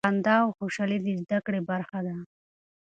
خندا او خوشحالي د زده کړې برخه ده.